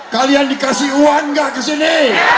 kalian dikasih uang gak kesini